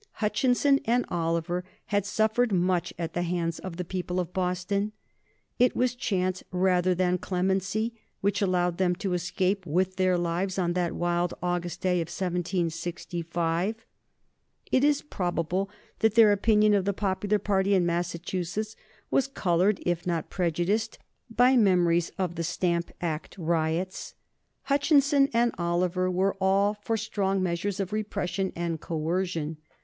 Hutchinson and Oliver had suffered much at the hands of the people of Boston. It was chance rather than clemency which allowed them to escape with their lives on that wild August day of 1765. It is probable that their opinion of the popular party in Massachusetts was colored if not prejudiced by memories of the Stamp Act riots. Hutchinson and Oliver were all for strong measures of repression and coercion.